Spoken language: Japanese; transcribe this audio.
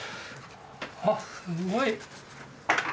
あっすごい！